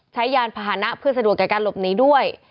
ใช้ยานพาหนะเพื่อสะดวกกับการหลบนี้ด้วย